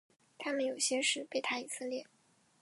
他们有些是贝塔以色列。